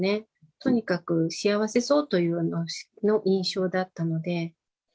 とにかく幸せそうという印象だったので。